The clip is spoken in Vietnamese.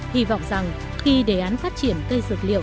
hy vọng rằng khi đề án phát triển cây dược liệu